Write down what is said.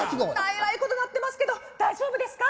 えらいことなってますけど大丈夫ですか？